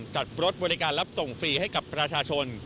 จัดรถบริการรับส่งฟรีให้กับประชาชน